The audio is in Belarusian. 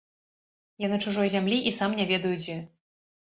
Я на чужой зямлі і сам не ведаю дзе.